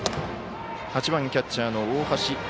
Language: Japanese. ８番キャッチャーの大橋。